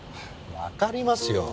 わかりますよ。